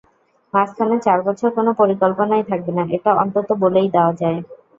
মাঝখানে চার বছর কোনো পরিকল্পনাই থাকবে না, এটা অন্তত বলেই দেওয়া যায়।